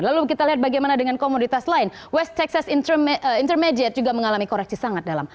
lalu kita lihat bagaimana dengan komoditas lain west texas intermediate juga mengalami koreksi sangat dalam